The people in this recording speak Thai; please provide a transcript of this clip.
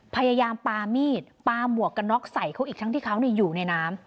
พยายามปามีดปลาหมวกกันน็อกใส่เขาอีกทั้งที่เขาอยู่ในน้ำ